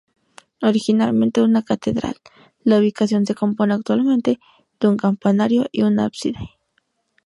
Originalmente una catedral, la ubicación se compone actualmente de un campanario y un ábside.